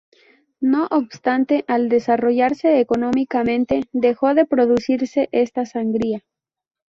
No obstante, al desarrollarse económicamente dejó de producirse esta sangría.